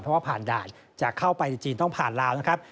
เพราะว่าผ่านด่านจะเข้าไปในจีนต้องผ่านลาวนะครับ